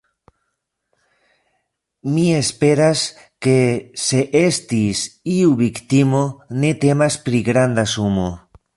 Mi esperas ke se estis iu viktimo, ne temas pri granda sumo.